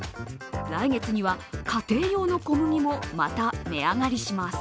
来月には、家庭用の小麦もまた値上がりします。